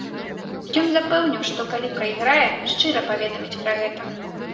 Ён запэўніў, што калі прайграе, шчыра паведаміць пра гэта.